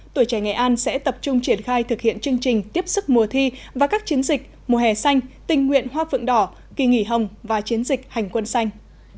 tuổi trẻ nghệ an sẽ tập trung triển khai thực hiện chương trình tiếp sức mùa thi và các chiến dịch mùa hè xanh tình nguyện hoa phượng đỏ kỳ nghỉ hồng và chiến dịch hành quân xanh